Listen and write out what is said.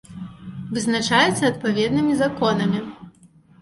Вызначаецца адпаведнымі законамі.